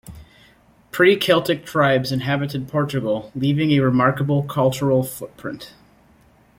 Pre-Celtic tribes inhabited Portugal leaving a remarkable cultural footprint.